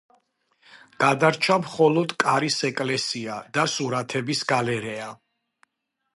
გადარჩა მხოლოდ კარის ეკლესია და სურათების გალერეა.